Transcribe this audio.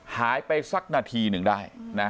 หายไปสักนาทีหนึ่งได้นะ